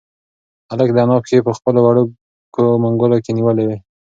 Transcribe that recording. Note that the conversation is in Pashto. هلک د انا پښې په خپلو وړوکو منگولو کې نیولې وې.